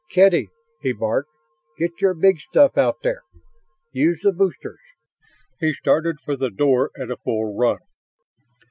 "Kedy!" he barked. "Get your big stuff out there! Use the boosters!" He started for the door at a full run.